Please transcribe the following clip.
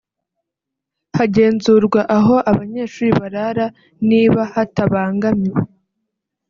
hagenzurwa aho abanyeshuri barara niba hatabangamiwe